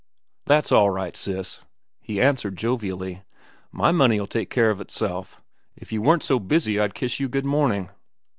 "That's all right, sis," he answered jovially. "My money'll take care of itself. If you weren't so busy, I'd kiss you good morning."